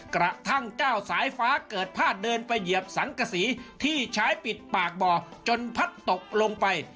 กระทั่งเจ้าสายฟ้าเกิดพาดเดินไปเหยียบสังกษีที่ใช้ปิดปากบ่อจนพัดตกลงไป